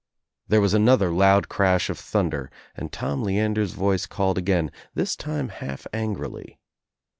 There was another loud crash of thunder and Tom Leander's voice called again, this time half angrily.